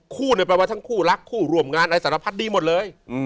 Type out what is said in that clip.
แปลว่าทั้งคู่รักคู่ร่วมงานอะไรสารพัดดีหมดเลย